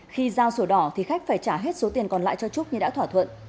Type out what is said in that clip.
khi giao sổ đỏ thì khách phải trả hết số tiền còn lại cho trúc như đã thỏa thuận